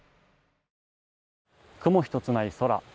雲１つない空。